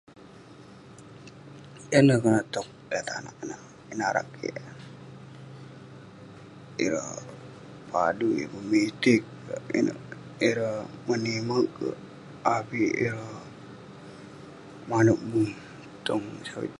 Yan neh konak towk tai tanak ineh, eh narak kik..ireh padui, memitik kerk, inouk..ireh menimerk kerk, avik ireh..manouk bui tong..